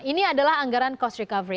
ini adalah anggaran cost recovery